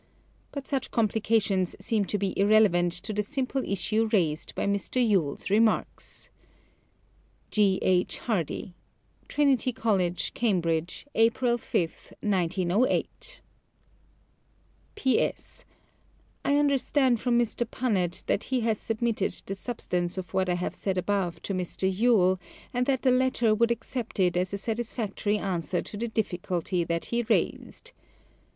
But such complications seem to be irrelevant to the simple issue raised by Mr. Yule's remarks. G. H. Hardy Tbinitt College, Cambeidge, April 5, 1908 P. S. I understand from Mr. Punnett that he has submitted the substance of what I have said above to Mr. Tule, and that the latter would accept it as a satisfactory answer to the difficulty that he raised.